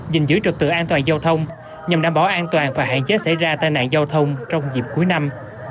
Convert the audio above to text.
dình dưới trật tự an toàn giao thông nhằm đảm bảo an toàn và hạn chế xảy ra tai nạn giao thông trong dịp cuối năm